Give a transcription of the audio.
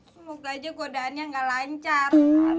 semoga aja godaannya nggak lancar